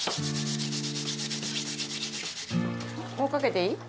もうかけていい？